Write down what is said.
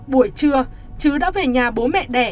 buổi trưa trứ đã về nhà bố mẹ đẻ